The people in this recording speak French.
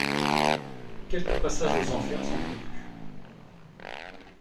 Quelques passages aux enfers sont prévus.